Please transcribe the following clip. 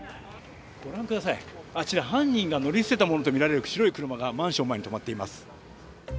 ご覧ください、あちら犯人が乗り捨てたとみられる車がマンション前に止まっています。